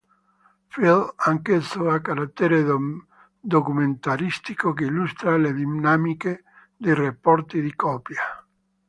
Film, anch'esso a carattere documentaristico, che illustra le dinamiche dei rapporti di coppia.